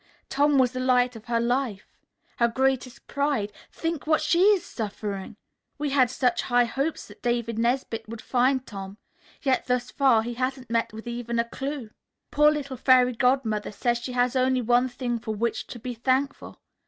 Tom was the light of her life; her greatest pride. Think what she is suffering! We had such high hopes that David Nesbit would find Tom. Yet, thus far, he hasn't met with even a clue. Poor little Fairy Godmother says she has only one thing for which to be thankful.